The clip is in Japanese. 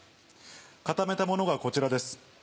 固めたものがこちらです。